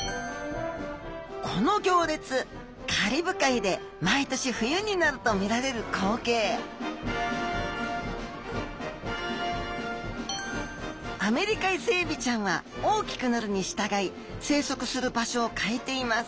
この行列カリブ海で毎年冬になると見られる光景アメリカイセエビちゃんは大きくなるにしたがい生息する場所を変えています。